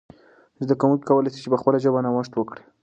زده کوونکي کولای سي په خپله ژبه نوښت وکړي.